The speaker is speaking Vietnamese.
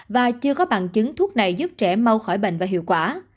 và chưa có bằng chứng thuốc này giúp trẻ mau khỏi bệnh và hiệu quả